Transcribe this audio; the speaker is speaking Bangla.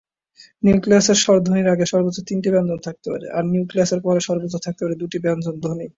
নিউক্লিয়াসের স্বরধ্বনির আগে সর্বোচ্চ তিনটি ব্যঞ্জন থাকতে পারে, আর নিউক্লিয়াসের পরে সর্বোচ্চ থাকতে পারে দুইটি ব্যঞ্জনধ্বনি।